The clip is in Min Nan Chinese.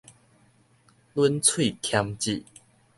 忍喙儉舌